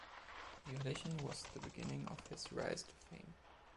The audition was the beginning of his rise to fame.